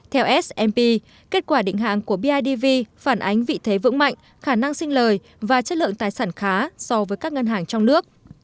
theo s p kết quả định hạng của bidv phản ánh vị thế vững mạnh khả năng sinh lời và chất lượng tài sản khá so với các ngân hàng trong nước